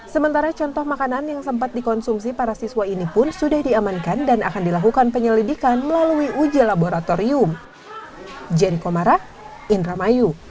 sementara contoh makanan yang sempat dikonsumsi para siswa ini pun sudah diamankan dan akan dilakukan penyelidikan melalui uji laboratorium